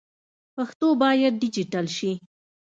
پښتو باید ډيجيټل سي.